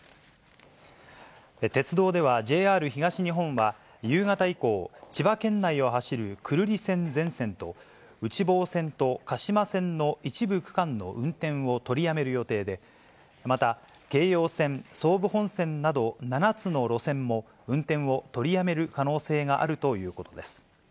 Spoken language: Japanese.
鉄道ではＪＲ東日本は、夕方以降、千葉県内を走る久留里線全線と、内房線と鹿島線の一部区間の運転を取りやめる予定で、また京葉線・総武本線など７つの路線も、運転を取りやめる可能性があるということです。